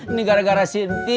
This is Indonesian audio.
ini gara gara sinti